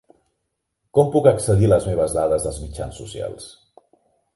Com puc accedir a les meves dades dels mitjans socials?